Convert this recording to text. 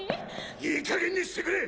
いいかげんにしてくれ！